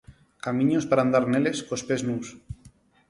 Camiños para andar neles cos pés nus.